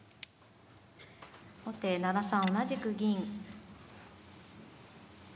後手７三同じく銀。